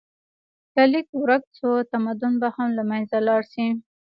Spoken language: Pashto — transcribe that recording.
که لیک ورک شو، تمدن به هم له منځه لاړ شي.